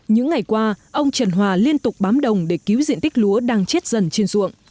những ngày qua ông trần hòa liên tục bám đồng để cứu diện tích lúa đang chết dần trên ruộng